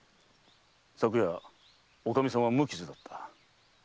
昨夜女将さんは無傷だった。